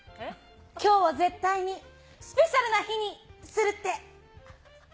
きょうは絶対にスペシャルな日にするって。